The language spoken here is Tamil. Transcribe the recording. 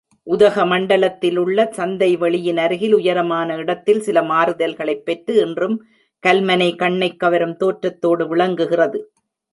உதக மண்டலத்திலுள்ள சந்தை வெளியினருகில், உயரமான இடத்தில் சில மாறுதல்களைப் பெற்று இன்றும் கல்மனை கண்ணைக்கவரும் தோற்றத்தோடு விளங்குகிறது.